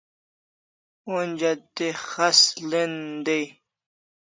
Onja te khas len dai